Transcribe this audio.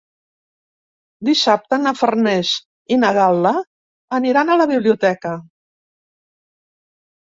Dissabte na Farners i na Gal·la aniran a la biblioteca.